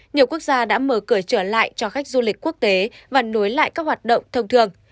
nhiều quốc gia đã mở cửa trở lại cho khách du lịch quốc tế và nối lại các hoạt động thông thường